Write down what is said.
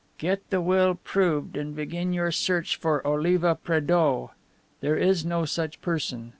"Get the will proved and begin your search for Oliva Prédeaux. There is no such person.